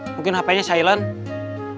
mungkin hp nya silent